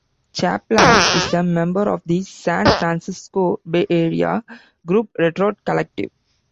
Chapela is a member of the San Francisco Bay Area group Retort collective.